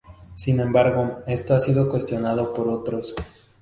Sin embargo, esto ha sido cuestionado por otros.